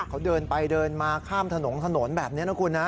เขาเดินไปเดินมาข้ามถนนถนนแบบนี้นะคุณนะ